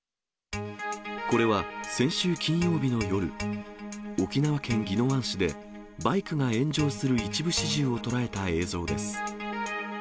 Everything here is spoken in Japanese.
これは、先週金曜日の夜、沖縄県宜野湾市で、バイクが炎上する一部始終を捉えた映像です。